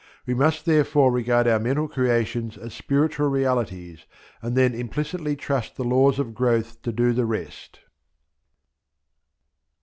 We must therefore regard our mental creations as spiritual realities and then implicitly trust the Law of Growth to do the rest.